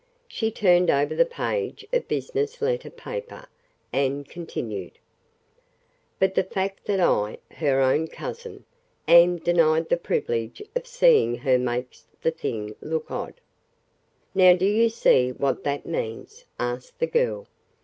She turned over the page of business letter paper, and continued: "'But the fact that I, her own cousin, am denied the privilege of seeing her makes the thing look odd.' "Now do you see what that means?" asked the girl.